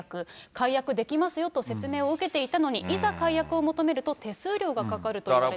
解約できますよと説明を受けていたのに、いざ解約を求めると、手数料がかかると言われてしまった。